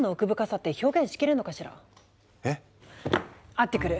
会ってくる。